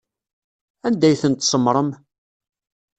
Anda ay ten-tsemmṛem?